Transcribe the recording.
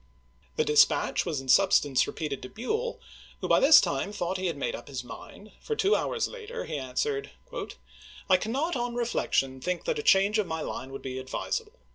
The dispatch was in substance repeated to Buell, who by this time thought he had made up his mind, for two hours later he answered :" I cannot, on reflection, think a change of my line would be advisable.